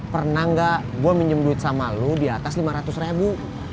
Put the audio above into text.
pernah nggak gue minjem duit sama lo di atas lima ratus ribu